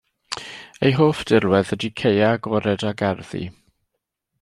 Ei hoff dirwedd ydy caeau agored a gerddi.